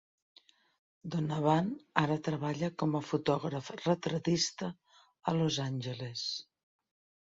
Donavan ara treballa com a fotògraf retratista a Los Angeles.